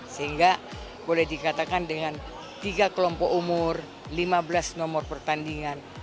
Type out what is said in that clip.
sehingga boleh dikatakan dengan tiga kelompok umur lima belas nomor pertandingan